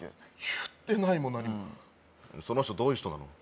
言ってないも何もその人どういう人なの？